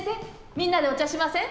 みんなでお茶しません？